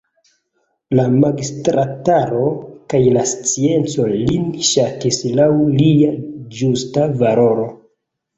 La magistrataro kaj la scienco lin ŝatis laŭ lia ĝusta valoro.